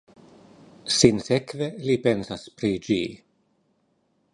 Sinsekve li pensas pri ĝi.